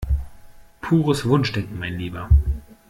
Pures Wunschdenken, mein Lieber!